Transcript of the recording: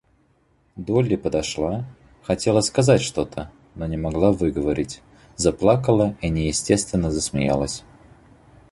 Долли подошла, хотела сказать что-то, но не могла выговорить, заплакала и неестественно засмеялась.